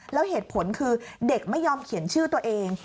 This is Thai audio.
แล้วเหตุผลคือเด็กไม่ยอมเขียนชื่อตัวเอง